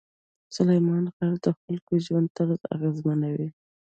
سلیمان غر د خلکو ژوند طرز اغېزمنوي.